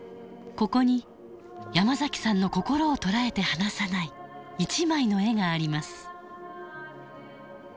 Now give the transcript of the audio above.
ここにヤマザキさんの心を捉えて離さない一枚の絵があります。